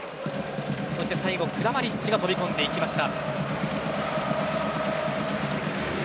そして最後はクラマリッチが飛び込みました。